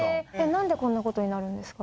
なんでこんな事になるんですか？